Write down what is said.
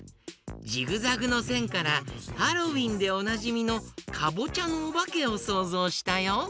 ジグザグのせんからハロウィーンでおなじみのかぼちゃのおばけをそうぞうしたよ。